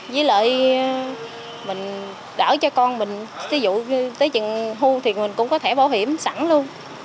với lợi mình đỡ cho con mình ví dụ tới trường hưu thì mình cũng có thẻ bảo hiểm sẵn luôn